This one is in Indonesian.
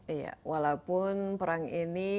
iya walaupun perang ini